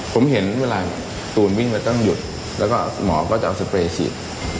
ผมเห็นเวลาตูนวิ่งมาตั้งหยุดแล้วก็หมอก็จะเอาสเปรย์ฉีด